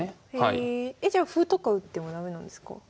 えじゃあ歩とか打っても駄目なんですか？